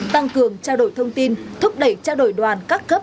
tăng cường trao đổi thông tin thúc đẩy trao đổi đoàn các cấp